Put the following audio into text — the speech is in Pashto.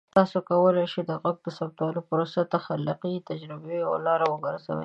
تاسو کولی شئ د غږ ثبتولو پروسه د تخلیقي تجربو یوه لاره وګرځوئ.